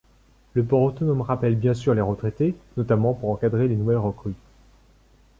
Le Port autonome rappelle bien sûr les retraités, notamment pour encadrer les nouvelles recrues.